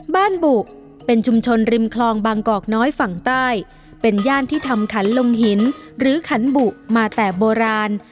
บุเป็นชุมชนริมคลองบางกอกน้อยฝั่งใต้เป็นย่านที่ทำขันลมหินหรือขันบุมาแต่โบราณ